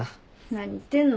何言ってんの。